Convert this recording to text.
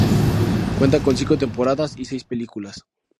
Cuenta con cinco temporadas y seis películas.